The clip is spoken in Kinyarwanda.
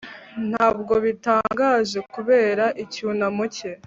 Ntabwo bitangaje kubera icyunamo cye